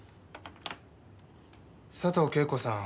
佐藤景子さん